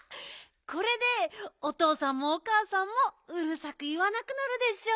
これでおとうさんもおかあさんもうるさくいわなくなるでしょ。